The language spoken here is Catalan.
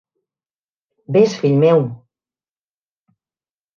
Ves, fill meu.